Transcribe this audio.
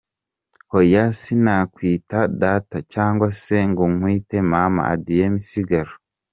hoya sinakwita Data cyangwa se ngo nkwite mama' Adrien Misigaro .